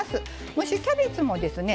蒸しキャベツもですね